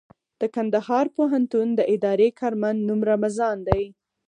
د کندهار پوهنتون د اداري کارمند نوم رمضان دئ.